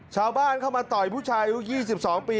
ชาวบ้านเข้ามาต่อยผู้ชายอายุ๒๒ปี